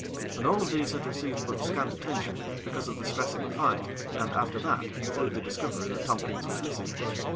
And all of these had received but scant attention, because of the stress of the fight, and, after that, through the discovery that Tompkins was missing.